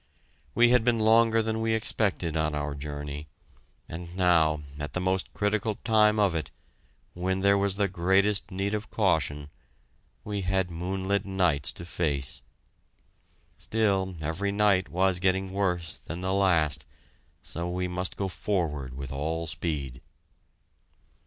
We had been longer than we expected on our journey, and now, at the most critical time of it, when there was the greatest need of caution, we had moonlight nights to face! Still, every night was getting worse than the last, so we must go forward with all speed.